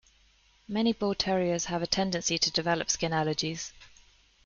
Many Bull Terriers have a tendency to develop skin allergies.